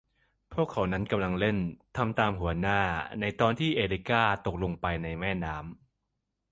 พวกเขานั้นกำลังเล่น ทำตามหัวหน้า ในตอนที่ เอริก้าตกลงไปในแม่น้ำ